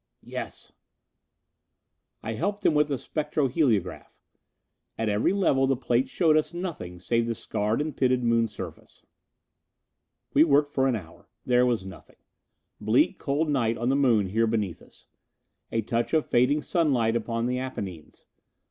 "Yes." I helped him with the spectroheliograph. At every level the plates showed us nothing save the scarred and pitted Moon surface. We worked for an hour. There was nothing. Bleak cold night on the Moon here beneath us. A touch of fading sunlight upon the Apennines.